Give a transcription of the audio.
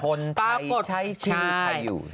คนไทยใช้ชีวิตใครอยู่